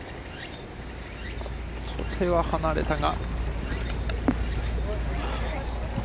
手は離れたが。